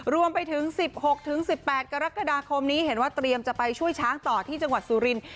รวมไปถึง๑๖๑๘กรกฎาคมนี้เห็นว่าเตรียมจะไปช่วยช้างต่อที่จังหวัดสุรินท